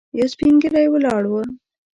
یو سپين ږيری ولاړ و.